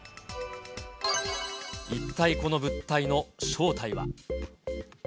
一体この物体の正体は？